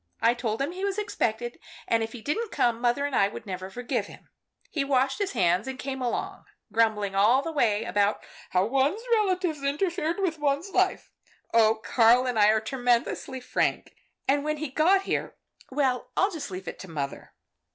I told him he was expected, and if he didn't come, mother and I never would forgive him. He washed his hands and came along, grumbling all the way about how one's relatives interfered with one's life oh, Karl and I are tremendously frank, and then when he got here well, I'll just leave it to mother."